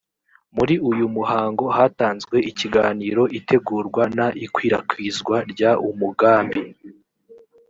muri uyu muhango hatanzwe ikiganiro itegurwa n ikwirakwizwa ry umugambi